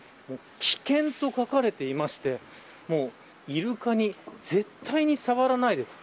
危険と書かれていましてイルカに絶対に触らないでと。